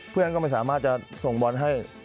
เพื่อนก็ไม่สามารถจะส่งบอลให้